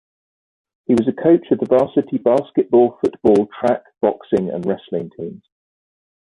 He was a coach of the Varsity basketball, football, track, boxing, and wrestling teams.